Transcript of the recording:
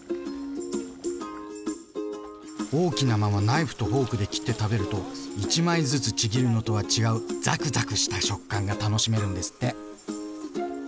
大きなままナイフとフォークで切って食べると１枚ずつちぎるのとは違うざくざくした食感が楽しめるんですって。